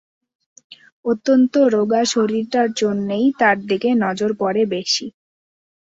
অত্যন্ত রোগা শরীরটার জন্যেই তার দিকে নজর পড়ে বেশি।